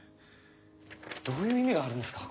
どういう意味があるんですか？